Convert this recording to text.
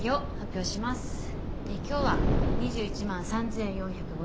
今日は２１万３、４５０円。